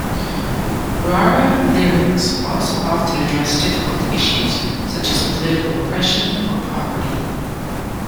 Rara lyrics also often address difficult issues, such as political oppression or poverty.